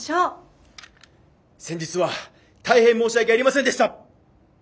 先日は大変申し訳ありませんでした！